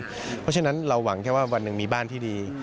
เพราะฉะนั้นเราหวังแค่ว่าวันหนึ่งมีบ้านที่ดี